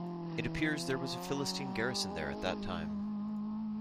It appears that there was a Philistine garrison there at that time.